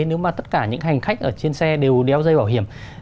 nếu mà tất cả những hành khách ở trên xe đều đeo dây bảo hiểm